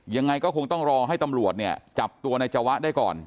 ยังไงก็คงต้องรอให้ตำรวจเนี่ยจับตัวนายจวะได้ก่อน